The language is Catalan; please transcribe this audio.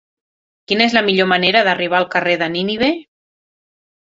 Quina és la millor manera d'arribar al carrer de Nínive?